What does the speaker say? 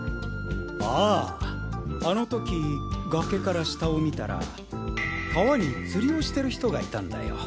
あぁあの時崖から下を見たら川に釣りをしてる人がいたんだよ。